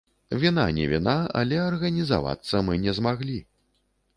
Віна не віна, але арганізавацца мы не змаглі.